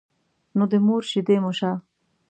نو د مور شيدې مو شه.